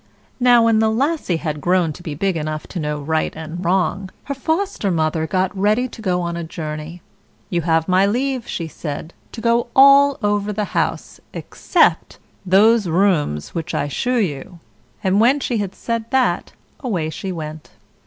Now, when the Lassie had grown to be big enough to know right and wrong, her Foster mother got ready to go on a journey. "You have my leave," she said, "to go all over the house, except those rooms which I shew you;" and when she had said that, away she went.